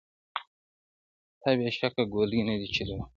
تا بېشکه ګولۍ نه دي چلولي -